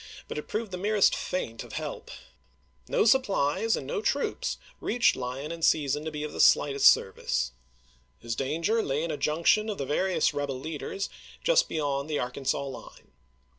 towards him, bnt it proved the merest feint of help. No supplies and no troops reached Lyon in season to be of the slightest service. His danger lay in a junction of the various rebel leaders just beyond the Arkansas line.